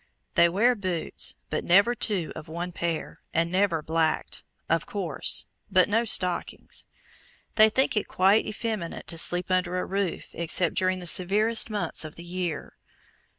They wear boots, but never two of one pair, and never blacked, of course, but no stockings. They think it quite effeminate to sleep under a roof, except during the severest months of the year.